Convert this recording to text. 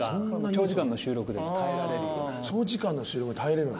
長時間の収録に耐えれる？